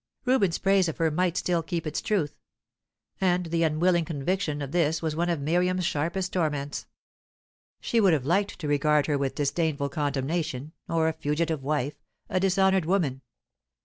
Reuben's praise of her might still keep its truth. And the unwilling conviction of this was one of Miriam's sharpest torments. She would have liked to regard her with disdainful condemnation, or a fugitive wife, a dishonoured woman.